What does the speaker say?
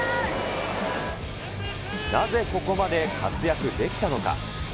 なぜここまで活躍できたのか。